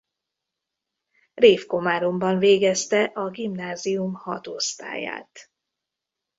Révkomáromban végezte a gimnázium hat osztályát.